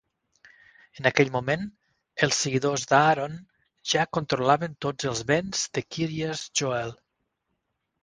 En aquell moment, els seguidors d'Aaron ja controlaven tots els bens de Kiryas Joel.